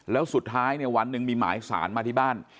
แล้วสุดท้ายเนี่ยวันหนึ่งมีหมายสารมาที่บ้าน